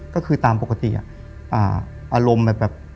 ก็คือตามปกติอารมณ์แบบ